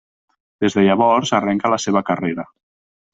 Des de llavors, arrenca la seva carrera.